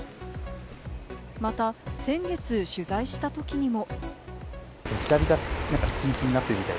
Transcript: また先月取材したときにも。